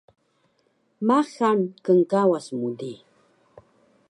Maxal knkawas mu di